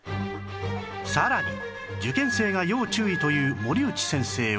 さらに受験生が要注意という森内先生は